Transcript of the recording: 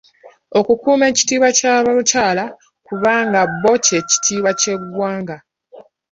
Okukuuma ekitiibwa ky’abakyala kubanga bo ky’ekitiibwa ky’eggwanga.